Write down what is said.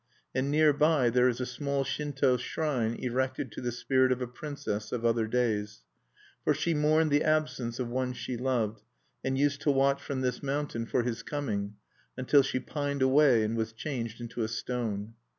And near by there is a small Shinto shrine erected to the spirit of a princess of other days. For she mourned the absence of one she loved, and used to watch from this mountain for his coming until she pined away and was changed into a stone.